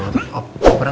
opornya gak usah